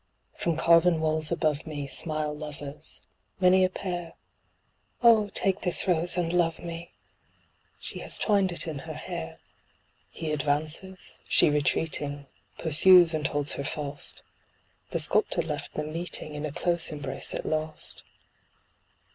From carven walls above me, smile lovers; many a pair. <c Oh, take this rose & love me! " she has twined it in her hair. He advances, she retreating, pursues and holds her fast, The sculptor left them meeting, in a close embrace at last.